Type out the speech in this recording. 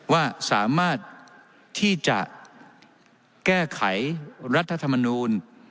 ว่าสามารถที่จะแก้ไขรัฐธรรมนูล